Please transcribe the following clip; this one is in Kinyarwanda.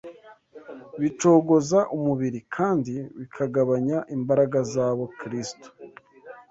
bicogoza umubiri kandi bikagabanya imbaraga z’abo Kristo